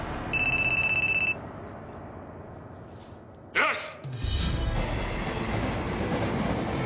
よし！